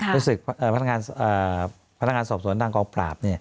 รู้สึกพนักงานสอบสวนทางกองปราบ